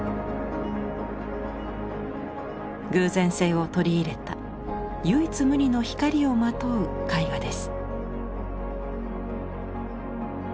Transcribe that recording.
偶然性を取り入れた唯一無二の「光」をまとう絵画です。